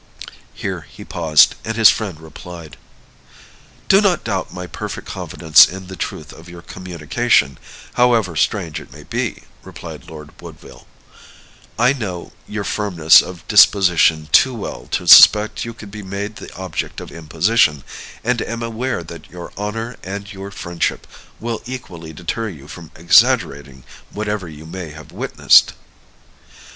Here he paused, and his friend replied: "Do not doubt my perfect confidence in the truth of your communication, however strange it may be," replied Lord Woodville, "I know your firmness of disposition too well to suspect you could be made the object of imposition, and am aware that your honor and your friendship will equally deter you from exaggerating whatever you may have witnessed."